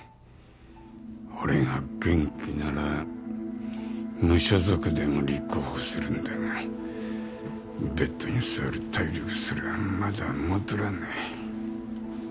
俺が元気なら無所属でも立候補するんだがベッドに座る体力すらまだ戻らない。